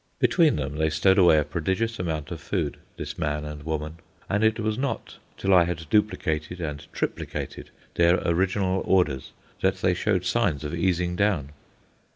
Between them they stowed away a prodigious amount of food, this man and woman, and it was not till I had duplicated and triplicated their original orders that they showed signs of easing down.